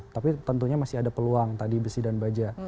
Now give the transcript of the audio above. tapi tentunya masih ada peluang tadi besi dan baja